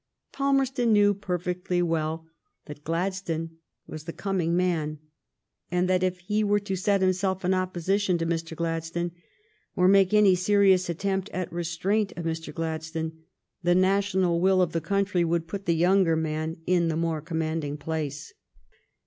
Palmerston knew perfectly well that Gladstone was the coming man, and that if he were to set himself in opposition to Mr. Gladstone, or make any serious attempt at restraint of Mr. Gladstone, the national will of 232 THE STORY OF GLADSTONE'S LIFE the country would put the younger man in the more commanding place.